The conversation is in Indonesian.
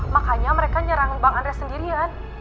makanya mereka nyerang bang andres sendirian